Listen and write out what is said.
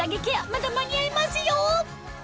まだ間に合いますよ